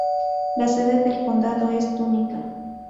Las sede del condado es Tunica.